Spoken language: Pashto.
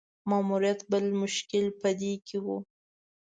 ماموریت بل مشکل په دې کې وو.